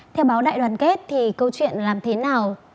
theo báo đại đoàn kết thì câu chuyện làm thế nào